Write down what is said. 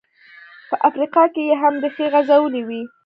په افریقا کې یې هم ریښې غځولې وې.